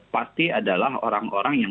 pasti adalah orang orang yang